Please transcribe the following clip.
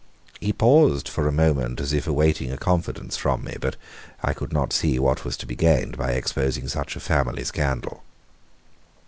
He paused for a moment as if awaiting a confidence from me, but I could not see what was to be gained by exposing such a family scandal.